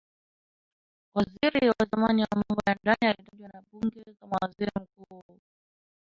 waziri wa zamani wa mambo ya ndani aliyetajwa na bunge kama waziri mkuu